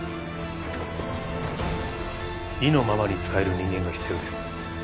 意のままに使える人間が必要です。